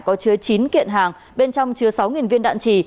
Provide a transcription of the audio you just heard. có chứa chín kiện hàng bên trong chứa sáu viên đạn trì